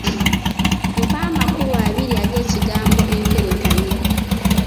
Mpa amakulu abiri ag'ekigambo “enkerettanyi.”